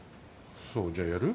そうじゃあやる？